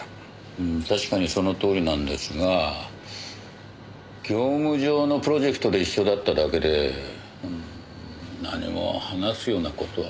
うん確かにそのとおりなんですが業務上のプロジェクトで一緒だっただけで何も話すような事は。